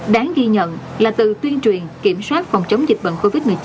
đáng ghi nhận là từ tuyên truyền kiểm soát phòng chống dịch bệnh covid một mươi chín